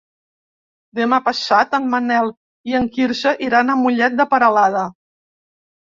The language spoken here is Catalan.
Demà passat en Manel i en Quirze iran a Mollet de Peralada.